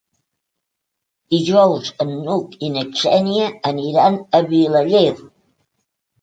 Dijous n'Hug i na Xènia aniran a Vilaller.